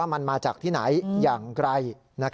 มันมาจากที่ไหนอย่างไร